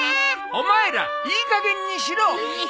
お前らいいかげんにしろ！